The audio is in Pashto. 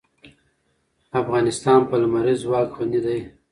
افغانستان په لمریز ځواک غني دی.